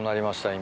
今。